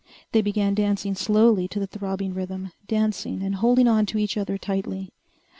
They began dancing slowly to the throbbing rhythm, dancing and holding on to each other tightly.